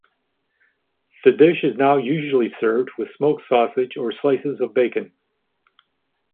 The dish is now usually served with smoked sausage or slices of bacon.